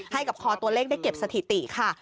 ให้กับคอตัวเลขได้เก็บสถิติค่ะ